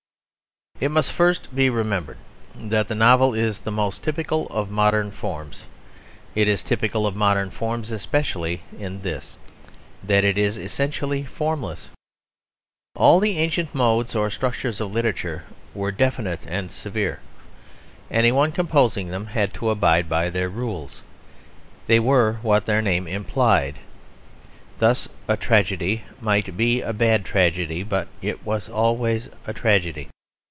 It must first be remembered that the novel is the most typical of modern forms. It is typical of modern forms especially in this, that it is essentially formless. All the ancient modes or structures of literature were definite and severe. Any one composing them had to abide by their rules; they were what their name implied. Thus a tragedy might be a bad tragedy, but it was always a tragedy.